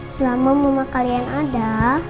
selama mama kalian berada di rumah